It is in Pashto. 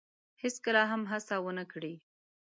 هیڅکله هم هڅه ونه کړی